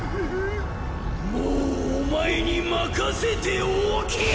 もうお前に任せておけん！